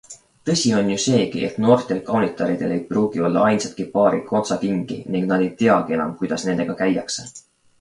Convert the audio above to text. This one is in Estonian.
Tõsi on ju seegi, et noortel kaunitaridel ei pruugi olla ainsatki paari kontsakingi ning nad ei teagi enam, kuidas nendega käiakse.